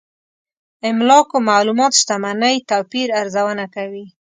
املاکو معلومات شتمنۍ توپير ارزونه کوي.